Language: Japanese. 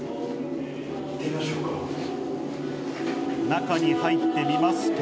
中に入ってみますと。